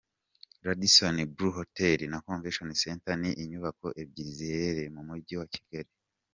Radisson Blu Hotel na Convention Center ni inyubako ebyiri ziherereye mu mujyi wa Kigali.